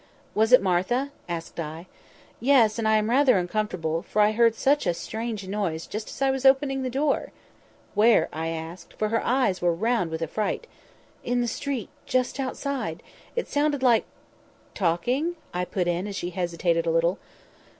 "Was it Martha?" asked I. "Yes. And I am rather uncomfortable, for I heard such a strange noise, just as I was opening the door." "Where?" I asked, for her eyes were round with affright. "In the street—just outside—it sounded like"— "Talking?" I put in, as she hesitated a little.